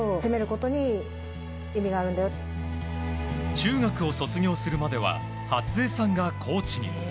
中学を卒業するまでは初江さんがコーチに。